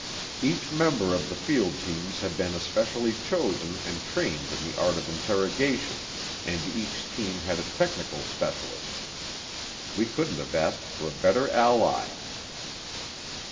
Each member of the field teams had been especially chosen and trained in the art of interrogation, and each team had a technical specialist. We couldn't have asked for a better ally.